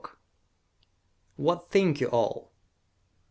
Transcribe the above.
_What Think You All?